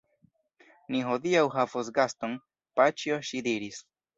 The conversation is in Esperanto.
Ni hodiaŭ havos gaston, paĉjo, ŝi diris.